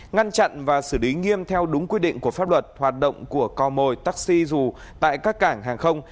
ngăn chặn và xử lý nghiêm theo đúng quy định của pháp luật hoạt động của cò mồi taxi dù tại các cảng hàng không